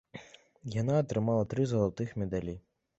Яна атрымала тры залатых медалі.